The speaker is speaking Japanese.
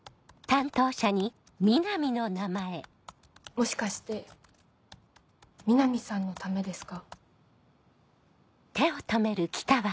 もしかして南さんのためですか？